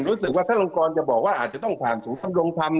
รู้สึกว่าท่านลงกรจะบอกว่าอาจจะต้องผ่านศูนย์ทำลงธรรม